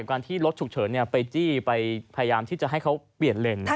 การที่รถฉุกเฉินไปจี้ไปพยายามที่จะให้เขาเปลี่ยนเลน